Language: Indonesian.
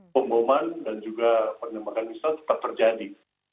pemboman dan juga penembakan misal tetap terjadi